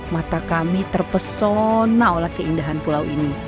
mata kami terpesona oleh keindahan pulau ini